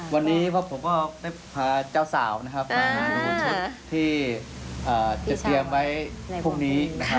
วันนี้พวกผมก็ได้พาเจ้าสาวนะครับมาดูชุดที่จะเตรียมไว้พรุ่งนี้นะครับ